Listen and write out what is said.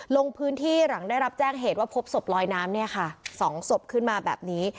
ลงพื้นที่หลังได้รับแจ้งเหตุว่าพบศพลอยน้ำเนี่ยค่ะ๒ศพขึ้นมาแบบนี้